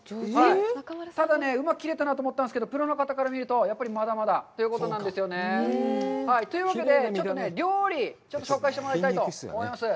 ただね、うまく切れたなと思ったんですけど、プロの方から見ると、やっぱりまだまだということなんですよね。というわけで、ちょっと料理、紹介してもらいたいと思います。